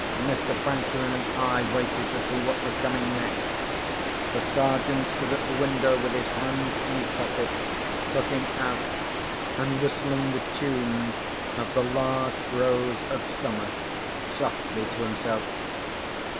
Mr. Franklin and I waited to see what was coming next. The Sergeant stood at the window with his hands in his pockets, looking out, and whistling the tune of "The Last Rose of Summer" softly to himself.